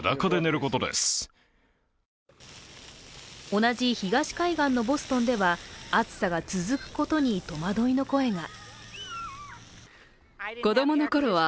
同じ東海岸のボストンでは暑さが続くことに戸惑いの声が。